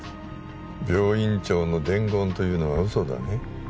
病院長の伝言というのは嘘だね？